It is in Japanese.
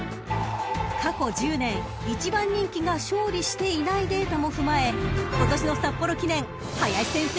［過去１０年１番人気が勝利していないデータも踏まえ今年の札幌記念林先生が注目した馬は？］